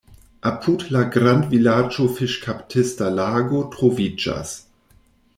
Apud la grandvilaĝo fiŝkaptista lago troviĝas.